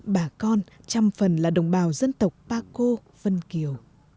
bà con trăm phần là đồng bào dân tộc paco vân kiều